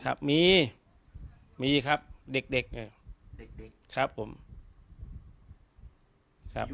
ครับมีมีครับเด็กเด็กอ่ะเด็กเด็กครับผมครับ